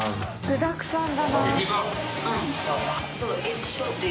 具だくさんだな。